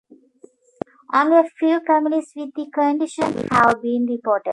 Only a few families with the condition have been reported.